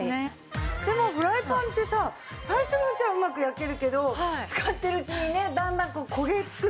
でもフライパンってさ最初のうちはうまく焼けるけど使ってるうちにねだんだん焦げつくというか。